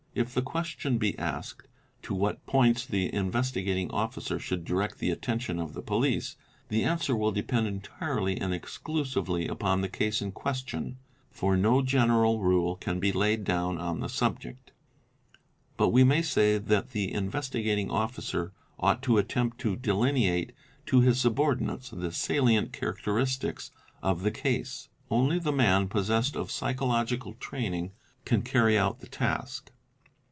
If the question be asked, To what points the Investigating Officer should direct the attention of the police? the answer will depend entirely | and exclusively upon the case in question, for no general rule can be laid down on the subject. But we may say that the Investigating Officer ought to attempt to delineate to his subordinates the salient character istics of the case. Only the man possessed of psychological training can carry out the task.